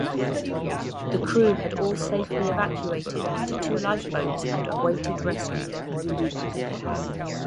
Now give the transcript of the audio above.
The crew had all safely evacuated into two lifeboats and awaited rescue.